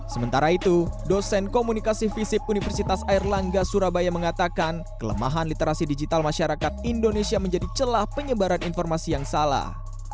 sementara itu dosen komunikasi visip universitas airlangga surabaya mengatakan kelemahan literasi digital masyarakat indonesia menjadi celah penyebaran informasi yang salah